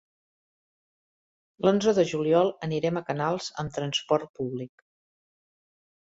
L'onze de juliol anirem a Canals amb transport públic.